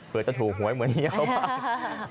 เพื่อจะถูกหวยเหมือนเฮียเข้ามา